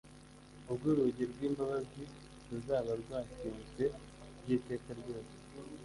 ubwo urugi rw'imbabazi ruzaba rwakinzwe by'iteka ryose.